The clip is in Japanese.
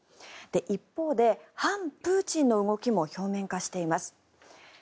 一方で反プーチンの動きも表面化しています。